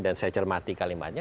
dan saya cermati kalimatnya